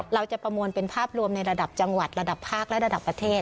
ประมวลเป็นภาพรวมในระดับจังหวัดระดับภาคและระดับประเทศ